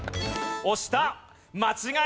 押した。